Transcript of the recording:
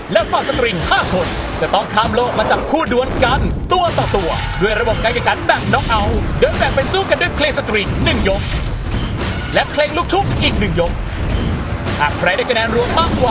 และคะแนนโบนัสความตามของปีเกิดคุณร้องกับปีเกิดเคร่ง